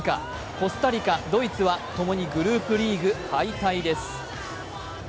コスタリカ、ドイツはともにグループリーグ敗退です。